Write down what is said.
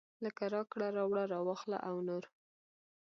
لکه راکړه راوړه راواخله او نور.